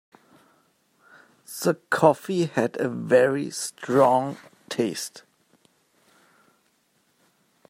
The coffee had a very strong taste.